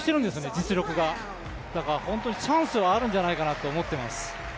実力が、だからチャンスはあるんじゃないかと思います。